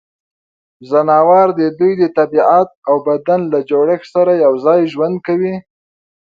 ځناور د دوی د طبعیت او بدن له جوړښت سره یوځای ژوند کوي.